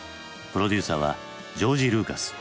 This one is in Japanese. プロデューサーはジョージ・ルーカス。